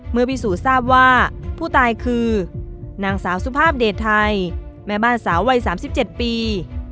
เมื่อพิสูจน์ทราบว่าผู้ตายคือนางสาวสุภาพเดชไทยแม่บ้านสาววัยสามสิบเจ็ดปี